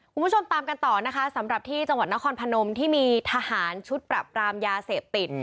คุณผู้ชมตามกันต่อนะคะสำหรับที่จังหวัดนครพนมที่มีทหารชุดปรับปรามยาเสพติด